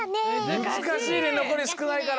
むずかしいねのこりすくないから。